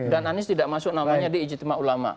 dan anies tidak masuk namanya di ijitima ulama